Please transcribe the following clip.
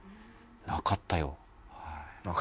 なかったよはい。